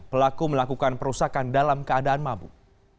pelaku melakukan perusakan dalam keadaan mabuk